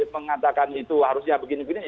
mengatakan itu harusnya begini begini